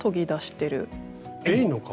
エイの革？